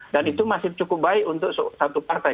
dan itu masih cukup baik untuk satu partai